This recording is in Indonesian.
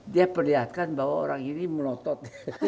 dia perlihatkan bahwa orang ini melotot